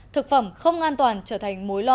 thực phẩm không an toàn trở thành mối lo